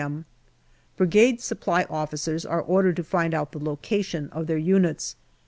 m. Brigade Supply Officers are ordered to find out the location of their units.